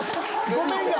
ごめんが。